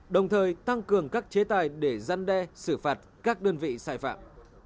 đồng thời tăng cường các chế tài để giăn đe xử phạt các đơn vị xài phạm